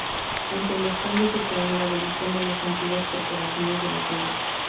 Entre los cambios estaban la abolición de las antiguas corporaciones de la ciudad.